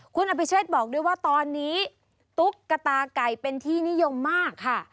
คุณอภิเชษบอกด้วยว่าตอนนี้ตุ๊กตาไก่เป็นที่นิยมมากค่ะ